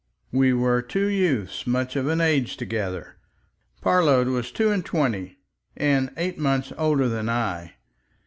We were two youths much of an age together, Parload was two and twenty, and eight months older than I.